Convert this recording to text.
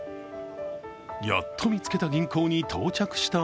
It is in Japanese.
やっと見つけた銀行に到着した